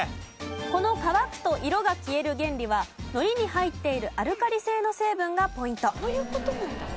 この乾くと色が消える原理はのりに入っているアルカリ性の成分がポイント。